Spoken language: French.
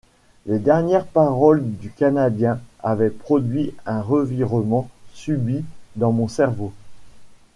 Les dernières paroles du Canadien avaient produit un revirement subit dans mon cerveau.